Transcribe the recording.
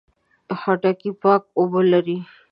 خټکی پاکه اوبه لري.